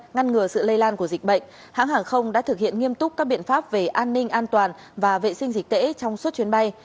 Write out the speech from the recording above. ngăn ngừa sự lây lan của dịch bệnh hãng hàng không đã thực hiện nghiêm túc các biện pháp về an ninh an toàn và vệ sinh dịch tễ trong suốt chuyến bay